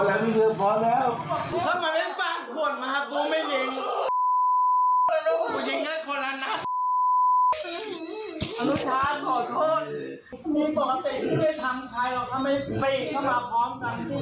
ผมบอกไม่ทำชายจนกินสมยอง